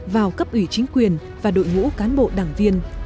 vào cấp ủy chính quyền và đội ngũ cán bộ đảng viên